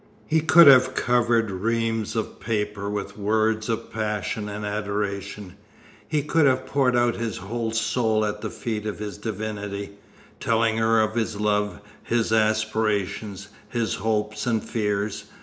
He could have covered reams of paper with words of passion and adoration; he could have poured out his whole soul at the feet of his divinity, telling her of his love, his aspirations, his hopes and fears.